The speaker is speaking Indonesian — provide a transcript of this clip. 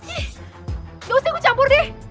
ih ga usah gue campur deh